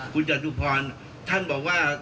คุณจตุพรท่านบอกว่า